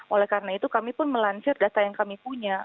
oleh karena itu kami pun melansir data yang kami punya